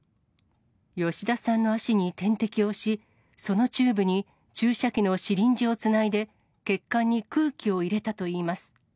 吉田さんの足に点滴をし、そのチューブに注射器のシリンジをつないで、血管に空気を入れたといいます。